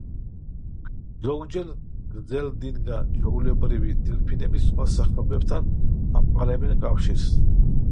ზოგჯერ გრძელდინგა ჩვეულებრივი დელფინები სხვა სახეობებთან ამყარებენ კავშირს.